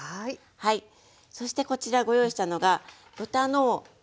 そしてこちらご用意したのが豚の豚カツ用の肉。